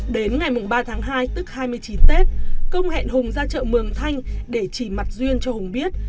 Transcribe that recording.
đến ngày ba tháng hai tức hai mươi chín tết công hẹn hùng ra chợ mường thanh để chỉ mặt duyên cho hùng biết